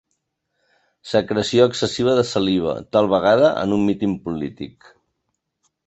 Secreció excessiva de saliva, tal vegada en un míting polític.